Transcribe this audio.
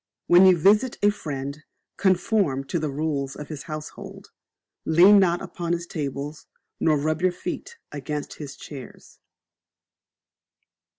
When you Visit a Friend, conform to the rules of his household; lean not upon his tables, nor rub your feet against his chairs.